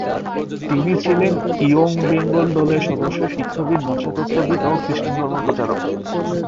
তিনি ছিলেন ইয়ং বেঙ্গল দলের সদস্য, শিক্ষাবিদ, ভাষাতত্ত্ববিদ ও খ্রিষ্টধর্মপ্রচারক।